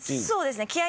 そうですね